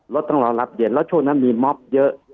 ต้องรอรับเย็นแล้วช่วงนั้นมีม็อบเยอะ